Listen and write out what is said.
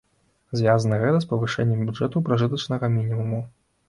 Звязана гэта з павышэннем бюджэту пражытачнага мінімуму.